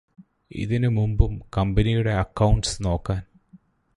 ഇതിന് മുമ്പും കമ്പനിയുടെ അക്കൗണ്ട്സ് നോക്കാൻ